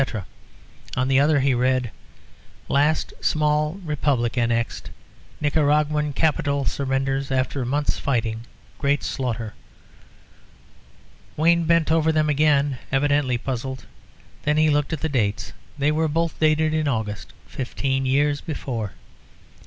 On the other he read "LAST SMALL REPUBLIC ANNEXED. NICARAGUAN CAPITAL SURRENDERS AFTER A MONTH'S FIGHTING. GREAT SLAUGHTER." Wayne bent over them again, evidently puzzled; then he looked at the dates. They were both dated in August fifteen years before.